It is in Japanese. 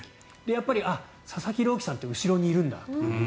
やっぱり佐々木朗希さんって後ろにいるんだ。